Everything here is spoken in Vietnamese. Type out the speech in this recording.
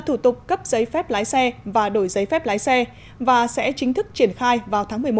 thủ tục cấp giấy phép lái xe và đổi giấy phép lái xe và sẽ chính thức triển khai vào tháng một mươi một năm hai nghìn một mươi chín